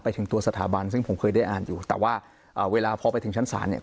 ถึงตัวสถาบันซึ่งผมเคยได้อ่านอยู่แต่ว่าอ่าเวลาพอไปถึงชั้นศาลเนี่ย